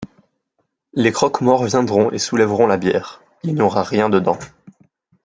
Les croque-morts viendront et soulèveront la bière ; il n’y aura rien dedans.